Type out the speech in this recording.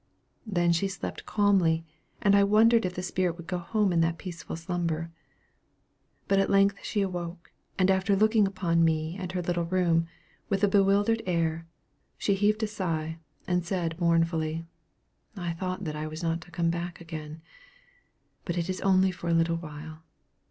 Then she slept calmly, and I wondered if the spirit would go home in that peaceful slumber. But at length she awoke, and after looking upon me and her little room with a bewildered air, she heaved a sigh, and said mournfully, "I thought that I was not to come back again, but it is only for a little while.